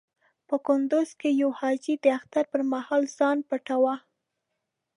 په کندز کې يو حاجي د اختر پر مهال ځان پټاوه.